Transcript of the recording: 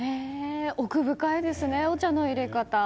奥深いですね、お茶の入れ方。